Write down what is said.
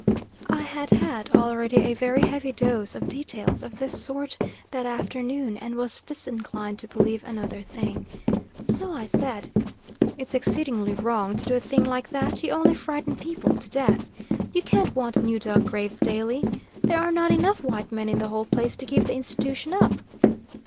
I had had already a very heavy dose of details of this sort that afternoon and was disinclined to believe another thing. So I said, "It's exceedingly wrong to do a thing like that, you only frighten people to death. You can't want new dug graves daily. There are not enough white men in the whole place to keep the institution up."